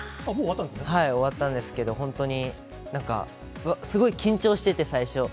はい、終わったんですけど、本当になんか、すごい緊張してて、最初。